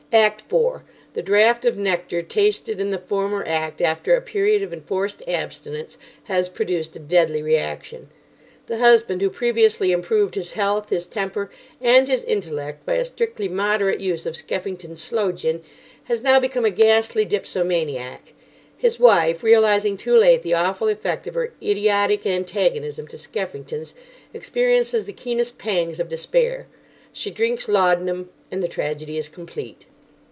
Act 4. The draught of nectar tasted in the former act after a period of enforced abstinence has produced a deadly reaction. The husband, who previously improved his health, his temper, and his intellect by a strictly moderate use of Skeffington's Sloe Gin, has now become a ghastly dipsomaniac. His wife, realising too late the awful effect of her idiotic antagonism to Skeffington's, experiences the keenest pangs of despair. She drinks laudanum, and the tragedy is complete."